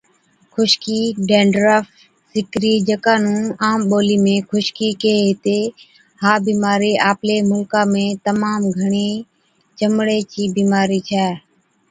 خُشڪِي Dandruff، سيڪرِي جڪا نُون عام ٻولِي ۾ خُشڪِي ڪيهي هِتي، ها بِيمارِي آپلي مُلڪا ۾ تمام گھڻِي چمڙي چِي بِيمارِي ڇَي۔